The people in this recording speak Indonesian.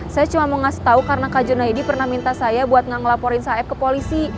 saya cuma mau ngasih tau karena kak junaidi pernah minta saya buat ngelaporin saif ke polisi